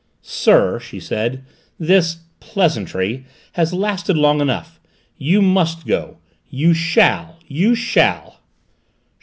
"Sir," she said, "this pleasantry has lasted long enough. You must go. You shall, you shall!"